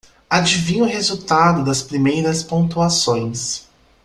Adivinha o resultado das primeiras pontuações.